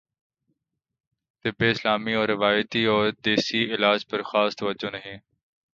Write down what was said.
طب اسلامی اور روایتی اور دیسی علاج پرخاص توجہ نہیں